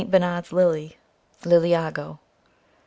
Bernard's Lily, 44 Liliago.